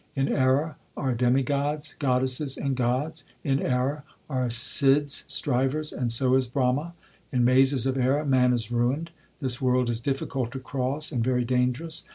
In error are demigods, goddesses, and gods ; In error are Sidhs, Strivers, and so is Brahma ; In mazes of error man is ruined. This world is difficult to cross and very dangerous.